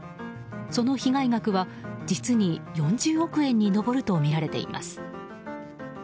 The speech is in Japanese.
その被害額は実に４０億円に上るとみられています。